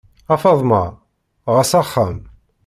A Faḍma, εass axxam!